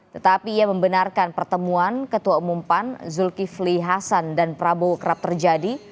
tetapi ia membenarkan pertemuan ketua umum pan zulkifli hasan dan prabowo kerap terjadi